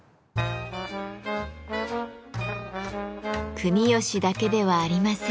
国芳だけではありません。